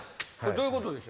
どういうことでしょう？